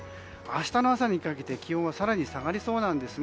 明日の朝にかけて気温は更に下がりそうなんです。